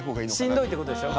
しんどいってことでしょ？